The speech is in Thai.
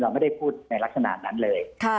ไม่ได้พูดในลักษณะนั้นเลย